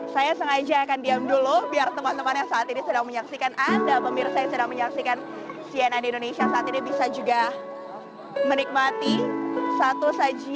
saya sengaja akan diam dulu biar teman teman yang saat ini sedang menyaksikan anda pemirsa yang sedang menyaksikan cnn indonesia saat ini bisa juga menikmati satu sajian